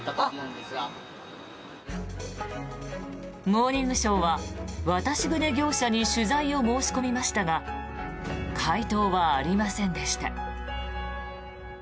「モーニングショー」は渡し船業者に取材を申し込みましたが回答はありませんでした。